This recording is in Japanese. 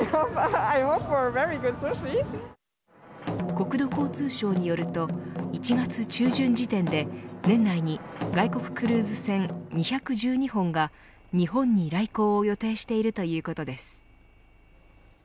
国土交通省によると１月中旬時点で年内に外国クルーズ船２１２本が日本に来航を予定しているということです。